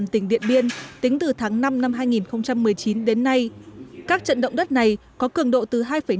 tỉnh điện biên tính từ tháng năm năm hai nghìn một mươi chín đến nay các trận động đất này có cường độ từ hai năm